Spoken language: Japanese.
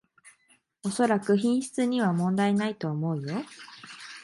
おそらく品質には問題ないと思うよ